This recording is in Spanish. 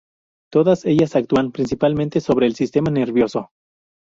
Todas ellos actúan principalmente sobre el sistema nervioso.